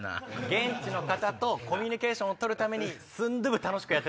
現地の方とコミュニケーションを取るために。